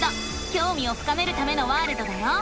きょうみを深めるためのワールドだよ！